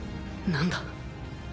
何だ？